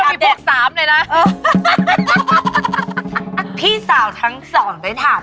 นี่เดี๋ยวมีพวกสามเลยนะพี่สาวทั้งสองได้ถาม